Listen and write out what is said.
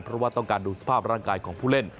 เพราะว่าต้องการดูสภาพร่างกายของผู้เล่น